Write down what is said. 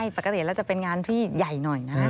ปกติแล้วจะเป็นงานที่ใหญ่หน่อยนะ